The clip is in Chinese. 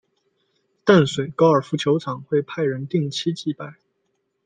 淡水高尔夫球场会派人定期祭拜。